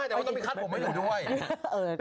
แต่ต้องมีคลาดผมให้หนูด้วย